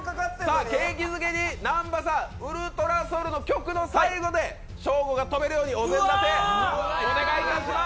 景気づけに「ｕｌｔｒａｓｏｕｌ」の曲の最後でショーゴが飛べるようにお膳立て、お願いします。